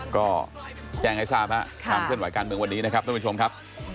ก็แจ้งให้ทราบครับความเคลื่อนไหวการเมืองวันนี้นะครับท่านผู้ชมครับ